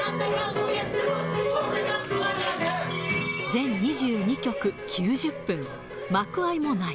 全２２曲９０分、幕あいもない。